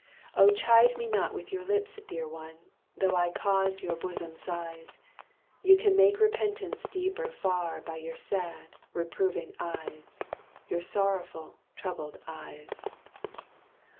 O chide me not with your lips, dear one! Though I cause your bosom sighs. You can make repentance deeper far By your sad, reproving eyes, Your sorrowful, troubled eyes.